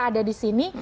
ada di sini